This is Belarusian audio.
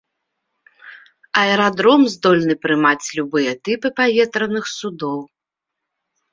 Аэрадром здольны прымаць любыя тыпы паветраных судоў.